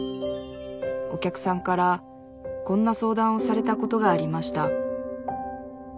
お客さんからこんな相談をされたことがありました